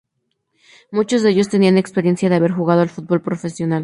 Muchos de ellos tenían experiencia de haber jugado al fútbol profesional.